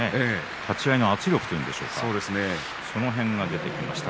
立ち合いの圧力というかその辺が出ていましたね。